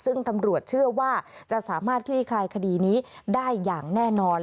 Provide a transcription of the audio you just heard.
ซึ่งตำรวจเชื่อว่าจะสามารถคลี่คลายคดีนี้ได้อย่างแน่นอน